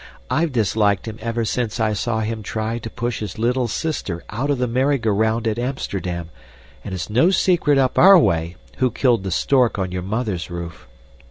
I've disliked him ever since I saw him try to push his little sister out of the merry go round at Amsterdam, and it's no secret up OUR way who killed the stork on your mother's roof.